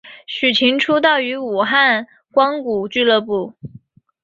徐擎出道于武汉光谷俱乐部。